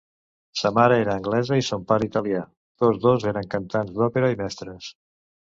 Sa mare era anglesa i son pare italià, tots dos eren cantants d'òpera i mestres.